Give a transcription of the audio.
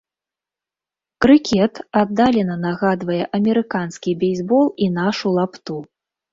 Крыкет аддалена нагадвае амерыканскі бейсбол і нашу лапту.